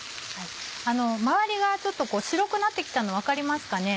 周りがちょっと白くなって来たの分かりますかね？